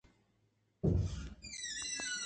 بہ گندے چہ قلاتءَ یا میتگ ءِ کنڈے ءَ توارکنگ ءَ اَت